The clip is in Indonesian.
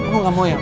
lo gak mau ya